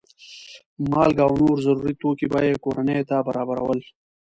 مالګه او نور ضروري توکي به یې کورنیو ته برابرول.